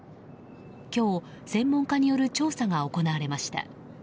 今日、専門家による調査が行われました。